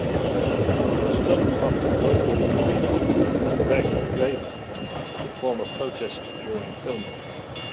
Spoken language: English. The stunt prompted local Druid Greg Draven to form a protest during filming.